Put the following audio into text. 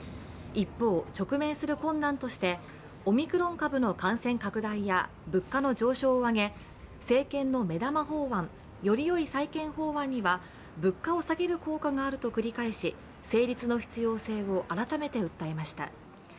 一方、直面する困難としてオミクロン株の感染拡大や物価の上昇を挙げ、政権の目玉法案、よりよい再建法案には物価を下げる効果があると繰り返し成立の必要性を改めて訴えました。